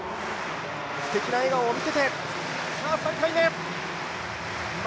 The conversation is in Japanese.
すてきな笑顔を見せて、さぁ３回目。